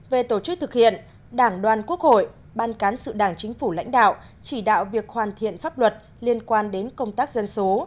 về tổ chức thực hiện đảng đoàn quốc hội ban cán sự đảng chính phủ lãnh đạo chỉ đạo việc hoàn thiện pháp luật liên quan đến công tác dân số